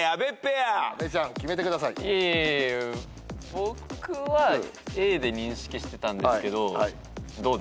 僕はＡで認識してたんですけどどうですか？